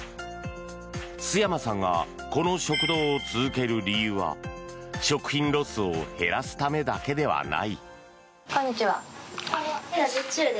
陶山さんがこの食堂を続ける理由は食品ロスを減らすためだけではない。